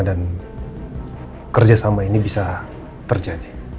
dan kerjasama ini bisa terjadi